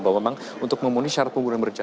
bahwa memang untuk memenuhi syarat pembunuhan berencana